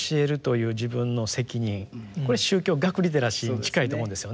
これ宗教学リテラシーに近いと思うんですよね。